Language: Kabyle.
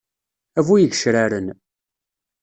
A bu yigecraren.